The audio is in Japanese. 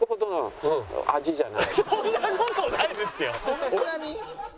そんな事ないですよ。